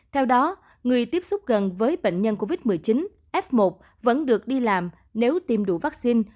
theo đó người tiếp xúc gần với bệnh nhân covid một mươi chín f một vẫn được đi làm nếu tiêm đủ vaccine